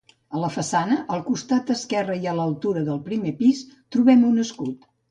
A la façana, al costat esquerre i a l'altura del primer pis, trobem un escut.